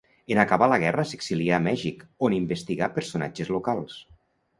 En acabar la guerra s'exilià a Mèxic, on investigà personatges locals.